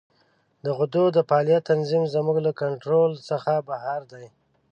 د غدو د فعالیت تنظیم زموږ له کنترول څخه بهر دی.